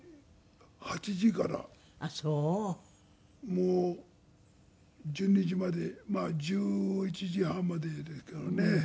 もう１２時までまあ１１時半までですけどね。